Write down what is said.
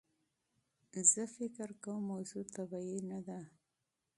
زه فکر کوم موضوع طبیعي نده.